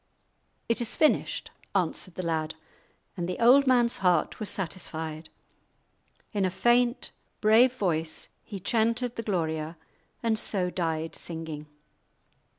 "It is finished," answered the lad, and the old man's heart was satisfied. In a faint, brave voice he chanted the Gloria, and so died singing.